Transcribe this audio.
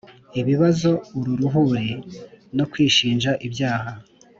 ibibazo aruruhuri.nokwishinja ibyaha.